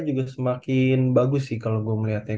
juga semakin bagus sih kalau gue melihatnya